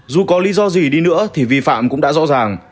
dù có lý do gì đi nữa thì vi phạm cũng đã rõ ràng